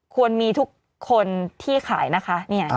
ควรมีทุกคนที่ขายนะคะ